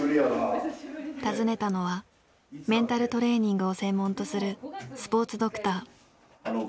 訪ねたのはメンタルトレーニングを専門とするスポーツドクター。